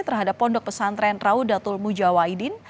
terhadap pondok pesantren raudatul mujawaidin